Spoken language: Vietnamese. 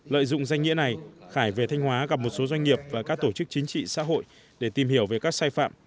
lợi dụng danh nghĩa này khải về thanh hóa gặp một số doanh nghiệp và các tổ chức chính trị xã hội để tìm hiểu về các sai phạm